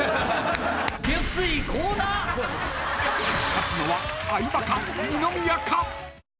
勝つのは相葉か二宮か？